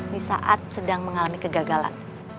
di saat sedang mengalami kegagalan